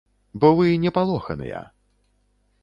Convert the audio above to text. Бо вы не палоханыя.